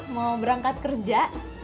mau berangkat kerja